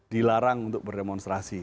dilarang untuk berdemonstrasi